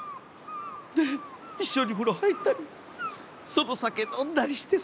で一緒に風呂入ったりその酒飲んだりしてさ。